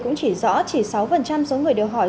cũng chỉ rõ chỉ sáu số người đều hỏi